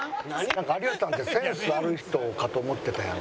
なんか有吉さんってセンスある人かと思ってたやん。